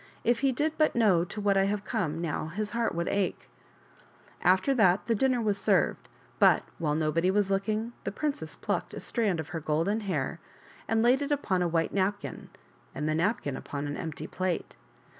If he did but know to what I have come how his heart would ache !" After that the dinner was served, but, while nobody was looking, the princess plucked a strand of her golden hair and laid it upon a white napkin and the napkin upon an empty plate.